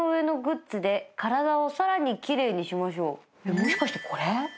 もしかしてこれ？